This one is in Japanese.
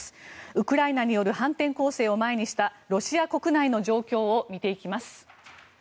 ウクライナによる反転攻勢を前にしたロシア国内の状況を見ていきます。